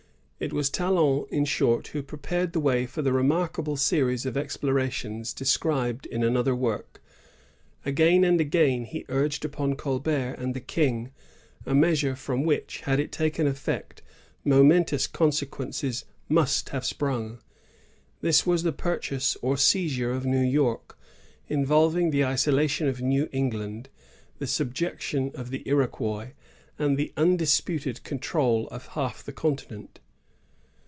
It was Talon, in short, who prepai ed the way for the remarkable series of explorations described in another work."^ Again and again he urged upon Colbert and the King a measure from which, had it taken effect, mo mentous consequences must have sprung. This was the purchase or seizure of New York, — involving the isolation of New England, the subjection of the Iroquois, and the imdisputed control of half the continent.